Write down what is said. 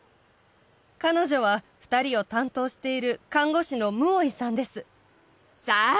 彼女は２人を担当している看護師のムオイさんですさあ